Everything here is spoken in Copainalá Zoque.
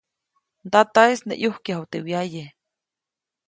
Ndataʼis nä ʼyukyaju teʼ wyaye.